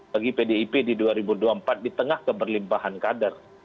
bagi pdip di dua ribu dua puluh empat di tengah keberlimpahan kader